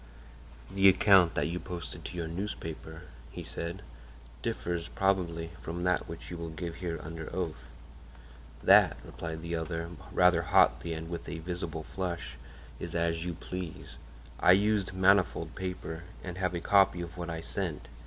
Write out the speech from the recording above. "The account that you posted to your newspaper," he said, "differs, probably, from that which you will give here under oath." "That," replied the other, rather hotly and with a visible flush, "is as you please. I used manifold paper and have a copy of what I sent.